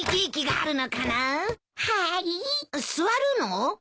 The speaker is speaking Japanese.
座るの？